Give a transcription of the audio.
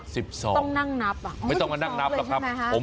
๑๒ต้องนั่งนับอะไม่ต้องนั่งนับเราครับอ่อ๑๒เลยใช่มั้ยฮะ